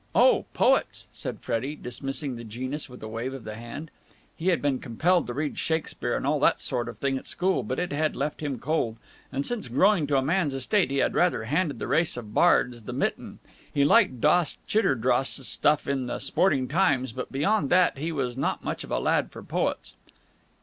"Oh, poets!" said Freddie, dismissing the genus with a wave of the hand. He had been compelled to read Shakespeare and all that sort of thing at school, but it had left him cold, and since growing to man's estate he had rather handed the race of bards the mitten. He liked Doss Chiderdoss' stuff in the Sporting Times, but beyond that he was not much of a lad for poets.